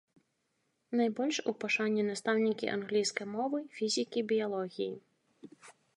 Найбольш у пашане настаўнікі англійскай мовы, фізікі, біялогіі.